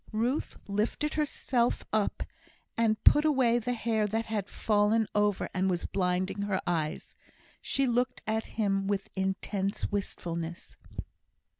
Ruth lifted herself up, and put away the hair that had fallen over and was blinding her eyes. She looked at him with intense wistfulness.